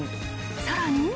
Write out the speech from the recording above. さらに。